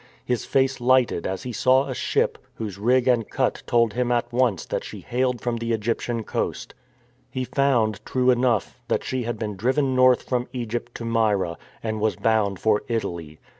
His face lighted as he saw a ship, whose rig and cut told him at once that she hailed from the Egyptian coast. He found, true enough, that she had been driven north THE TYPHOON 323 from Egypt to Myra, and was bound for Italy.